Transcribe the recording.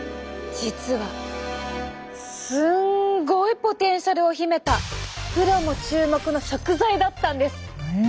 実はすんごいポテンシャルを秘めたプロも注目の食材だったんです。